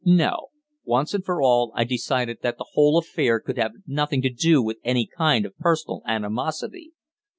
No; once and for all I decided that the whole affair could have nothing to do with any kind of personal animosity.